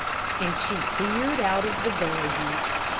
and she peered out of the buggy.